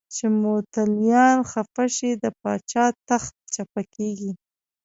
چې متولیان خفه شي د پاچا تخت چپه کېږي.